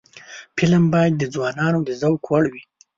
فلم باید د ځوانانو د ذوق وړ وي